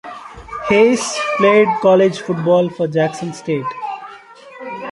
Hayes played college football for Jackson State.